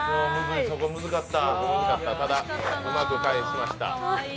そこむずかった、ただうまく返しました。